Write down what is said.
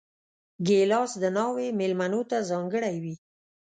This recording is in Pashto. ګیلاس د ناوې مېلمنو ته ځانګړی وي.